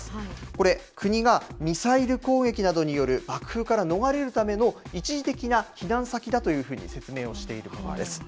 これ、国がミサイル攻撃などによる爆風から逃れるための、一時的な避難先だというふうに説明をしているということです。